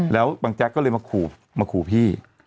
แล้วบางแจ๊กก็เลยมาขู่พี่